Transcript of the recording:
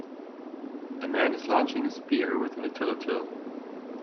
A man is launching a spear with an atylatyl.